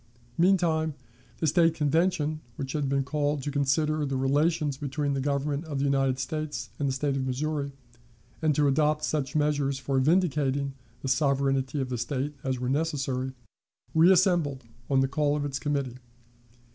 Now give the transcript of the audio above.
Meantime, the State Convention, which had been called to consider the relations between the Government of the United States and the State of Missouri, and to adopt such measures for vindicating the sovereignty of the State as were necessary, reassembled on the call of its committee.